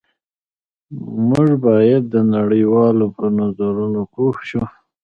موږ باید د نړۍ والو په نظرونو پوه شو